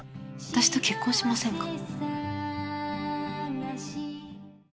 私と結婚しませんか。